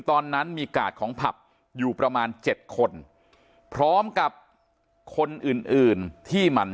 ตอนนั้นมีกาดของผับอยู่ประมาณ๗คนพร้อมกับคนอื่นอื่นที่มัน